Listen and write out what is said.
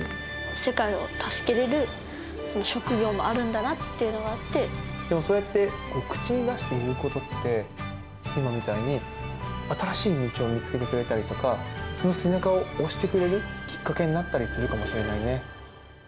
世界を助けれる職業もあるんでもそうやって、口に出して言うことって、今みたいに、新しい道を見つけてくれたりとか、その背中を押してくれるきっかけになったりするかもしれないね。